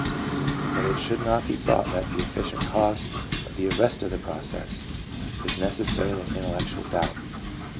But it should not be thought that the efficient cause of the arrest of the process is necessarily an intellectual doubt.